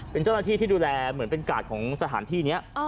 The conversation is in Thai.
เป็นเจ้าหน้าที่ที่ดูแลเหมือนเป็นกาดของสถานที่นี้